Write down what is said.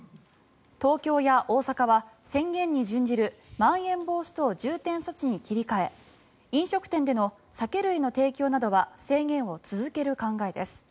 東京や大阪は、宣言に準じるまん延防止等重点措置に切り替え飲食店での酒類の提供などは制限を続ける考えです。